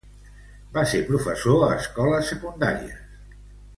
Va ser professor a escoles secundàries.